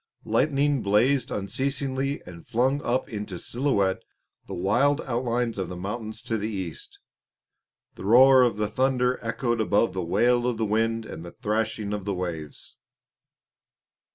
Lightning blazed unceasingly and flung up into silhouette the wild outlines of the mountains to the east. The roar of the thunder echoed above the wail of the wind and the threshing of the waves.